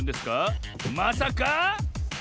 まさか？